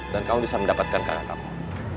dan kamu bisa mendapatkan kakak kamu